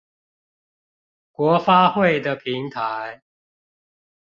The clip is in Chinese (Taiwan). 國發會的平台